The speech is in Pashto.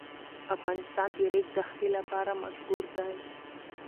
افغانستان د ریګ دښتې لپاره مشهور دی.